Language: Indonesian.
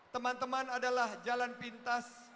teman teman adalah jalan pintas